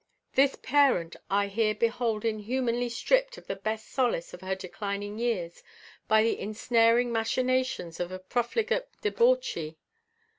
This parent I here behold inhumanly stripped of the best solace of her declining years by the insnaring machinations of a profligate debauchee.